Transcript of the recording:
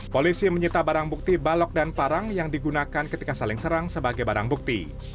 polisi menyita barang bukti balok dan parang yang digunakan ketika saling serang sebagai barang bukti